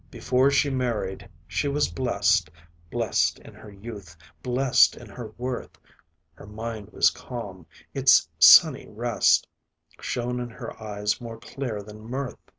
Before she married, she was blest Blest in her youth, blest in her worth; Her mind was calm, its sunny rest Shone in her eyes more clear than mirth.